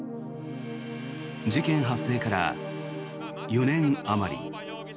事件発生から４年あまり。